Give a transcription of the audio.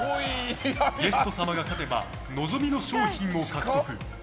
ゲスト様が勝てば望みの賞品を獲得。